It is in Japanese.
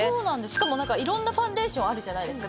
しかもいろんなファンデーションあるじゃないですか。